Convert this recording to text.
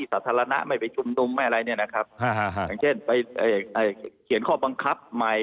สาธารณะไม่ไปจุ่มตุ๋มทั้งเช่นไปเขียนข้อบังคับใหม่